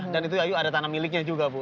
dan itu ada tanam miliknya juga bu